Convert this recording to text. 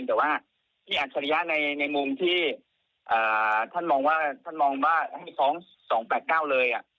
แต่ว่าที่อักษริยะในมุมที่ท่านมองว่าให้๒๒๘๙เลย